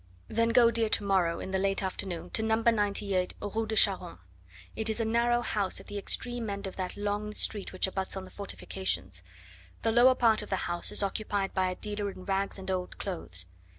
"Then go, dear, to morrow, in the late afternoon, to No. 98, Rue de Charonne. It is a narrow house at the extreme end of that long street which abuts on the fortifications. The lower part of the house is occupied by a dealer in rags and old clothes.